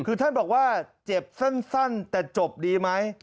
คือท่านบอกว่าเจ็บสั้นแต่จบดีไหม